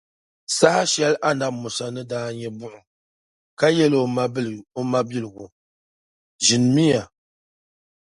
Saha shεli Annabi Musa ni daa nya buɣum, ka yεli o maligu, ʒinimi ya.